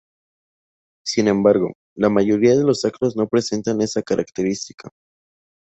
Sin embargo, la mayoría de los actos no presentan esa característica.